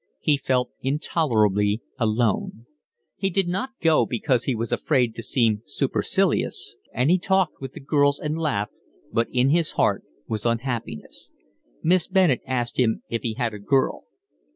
He felt intolerably alone. He did not go, because he was afraid to seem supercilious, and he talked with the girls and laughed, but in his heart was unhappiness. Miss Bennett asked him if he had a girl.